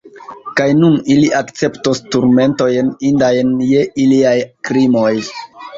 Kaj nun ili akceptos turmentojn, indajn je iliaj krimoj.